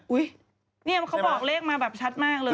อุ๊ยเค้าบอกเลขมาแบบชัดมากเลย